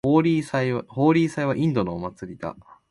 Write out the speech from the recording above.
ホーリー祭はインドのお祭りだ。